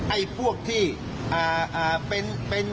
ไอ้พวกที่เป็น